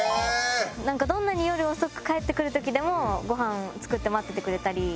なんかどんなに夜遅く帰ってくる時でもごはんを作って待っててくれたり。